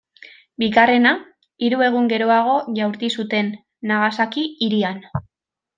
Bigarrena, hiru egun geroago jaurti zuten, Nagasaki hirian.